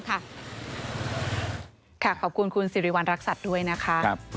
ค่ะขอบคุณคุณการรับซิดี้วันนรักษาด้วยนะคะ